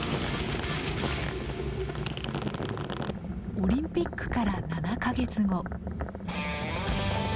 オリンピックから７か月後。